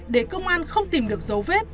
để công an không tìm được dấu vết